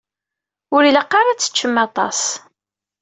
Ur ilaq ara ad teččem aṭas.